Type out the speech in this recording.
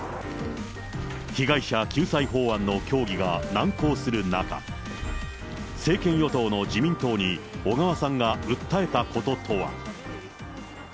被害者救済法案の協議が難航する中、政権与党の自民党に、小川さんが訴えたこととは。